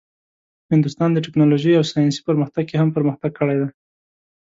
هندوستان د ټیکنالوژۍ او ساینسي پرمختګ کې هم پرمختګ کړی دی.